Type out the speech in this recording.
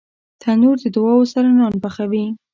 تنور د دعاوو سره نان پخوي